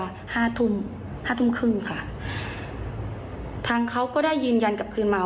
ว่าจากคนกลางคนนี้ที่รับซื้อมา